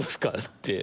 って。